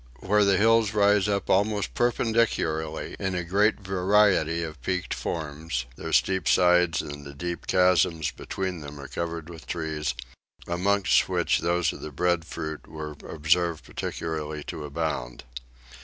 Where the hills rise almost perpendicularly in a great variety of peaked forms, their steep sides and the deep chasms between them are covered with trees, amongst which those of the breadfruit were observed particularly to abound.